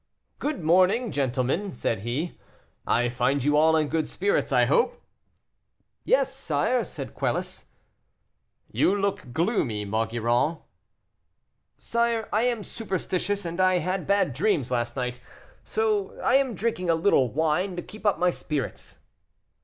"Good morning, gentlemen," said he; "I find you all in good spirits, I hope?" "Yes, sire," said Quelus. "You look gloomy, Maugiron." "Sire, I am superstitious, and I had bad dreams last night, so I am drinking a little wine to keep up my spirits."